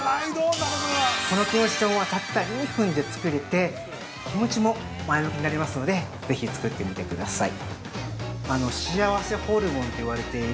◆このキムチ丼は、たった２分で作れて、気持ちも前向きになりますので、ぜひ作ってみてください。